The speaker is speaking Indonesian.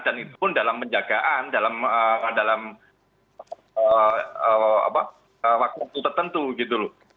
dan itu pun dalam penjagaan dalam waktu tertentu gitu loh